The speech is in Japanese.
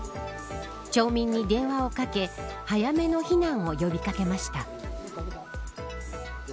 町民に電話をかけ早めの避難を呼び掛けました。